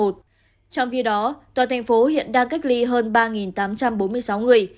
trong khi đó tòa tp hiện đang cách ly hơn ba tám trăm bốn mươi sáu người